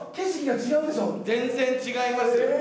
全然違います。